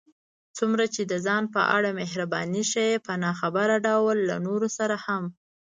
څومره چې د ځان په اړه محرباني ښيې، په ناخبره ډول له نورو سره هم